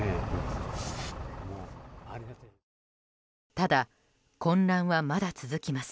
ただ、混乱はまだ続きます。